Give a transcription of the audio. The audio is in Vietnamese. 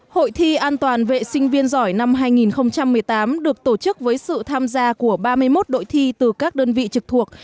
hội thi an toàn vệ sinh viên giỏi năm hai nghìn một mươi tám được tổ chức với sự tham gia của ba mươi một đội thi từ các đơn vị trực thuộc